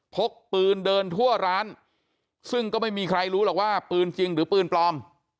พกปืนเดินทั่วร้านซึ่งก็ไม่มีใครรู้หรอกว่าปืนจริงหรือปืนปลอม